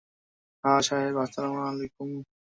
হ্যাঁঁ সাহেব, আসসালাম আলাইকুম।